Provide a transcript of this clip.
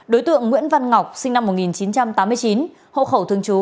đối tượng nguyễn văn ngọc sinh năm một nghìn chín trăm tám mươi chín hộ khẩu thương chú